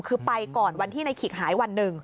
คือไปก่อนวันที่ในขิกหายวันหนึ่ง